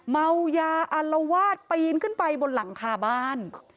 เมายาอัลวาดปีนขึ้นไปบนหลังคาบ้าน